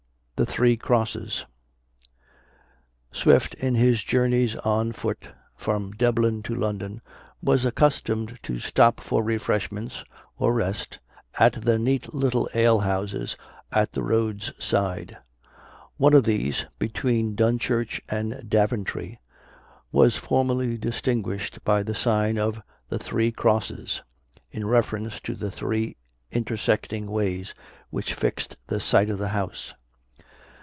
THE THREE CROSSES. Swift in his journeys on foot from Dublin to London, was accustomed to stop for refreshments or rest at the neat little ale houses at the road's side. One of these, between Dunchurch and Daventry, was formerly distinguished by the sign of the Three Crosses, in reference to the three intersecting ways which fixed the site of the house.